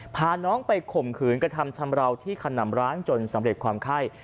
พาน้องไปข่มขืนกระทำชำราวที่ขนำร้างจนสำเร็จความไข้